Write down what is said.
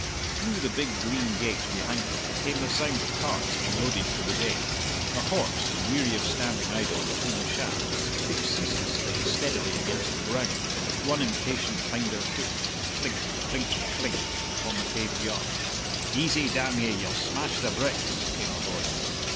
Through the big green gate behind him came the sound of carts being loaded for the day. A horse, weary of standing idle between the shafts, kicked ceaselessly and steadily against the ground with one impatient hinder foot, clink, clink, clink upon the paved yard. "Easy, damn ye; ye'll smash the bricks!" came a voice.